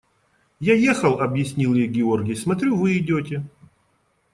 – Я ехал, – объяснил ей Георгий, – смотрю, вы идете.